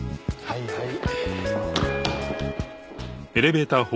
はいはい。